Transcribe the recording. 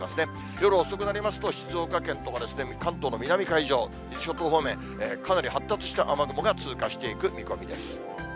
夜遅くなりますと、静岡県とか関東の南の海上、伊豆諸島方面、かなり発達した雨雲が通過していく見込みです。